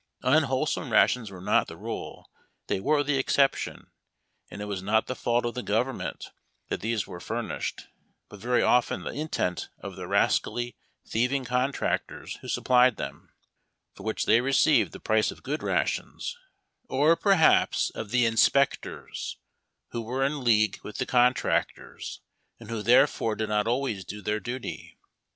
Unwholesome rations were not the rule, they were the exception, and it was not the fault of the government that these were fur nished, but very often the intent of the rascally, thieving contractors who supplied them, for which they received the price of good rations ; or, perhaps, of the iDspectors, who were in league with the contractors, and who therefore did not alwaj^s do their duty.